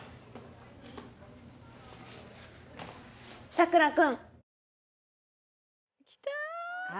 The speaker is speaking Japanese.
「佐倉君」